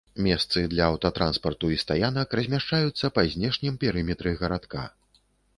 Месцы для аўтатранспарту і стаянак размяшчаюцца па знешнім перыметры гарадка.